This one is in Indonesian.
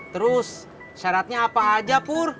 terus syaratnya apa aja pur